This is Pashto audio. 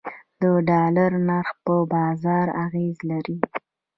د ډالر نرخ په بازار اغیز لري